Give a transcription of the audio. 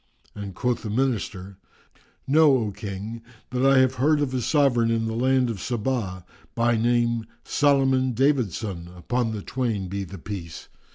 and quoth the Minister, "Know, O King that I have heard of a Sovran in the land of Sabá[FN#358] by name Solomon David son (upon the twain be the Peace!)